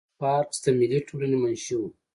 پارکس د ملي ټولنې منشي وه.